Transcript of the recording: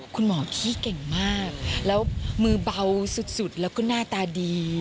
คุณหมอขี้เก่งมากแล้วมือเบาสุดแล้วก็หน้าตาดี